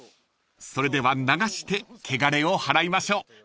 ［それでは流して穢れを祓いましょう］